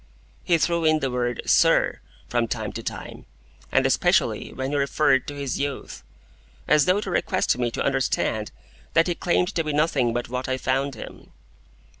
He threw in the word, "Sir," from time to time, and especially when he referred to his youth,—as though to request me to understand that he claimed to be nothing but what I found him.